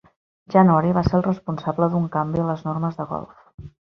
January va ser el responsable d'un canvi a les normes de golf.